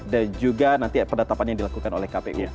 dan juga nanti pendatapan yang dilakukan oleh kpu